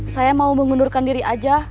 saya mau mengundurkan diri aja